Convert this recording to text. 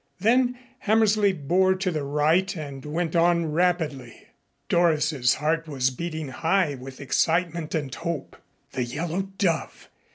Then Hammersley bore to the right and went on rapidly. Doris's heart was beating high with excitement and hope. The Yellow Dove!